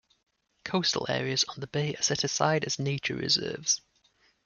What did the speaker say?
Coastal areas on the bay are set aside as nature reserves.